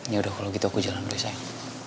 ya udah kalau gitu aku jalan sayang